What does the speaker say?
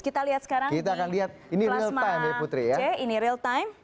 kita lihat sekarang di plasma c ini real time